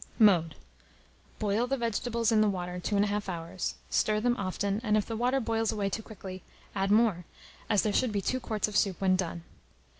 Mode. Boil the vegetables in the water 2 1/2 hours; stir them often, and if the water boils away too quickly, add more, as there should be 2 quarts of soup when done.